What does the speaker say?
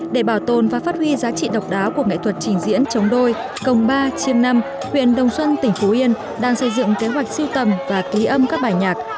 để bảo tồn và phát huy giá trị độc đáo của nghệ thuật trình diễn chống đôi công ba chiêm năm huyện đồng xuân tỉnh phú yên đang xây dựng kế hoạch siêu tầm và ký âm các bài nhạc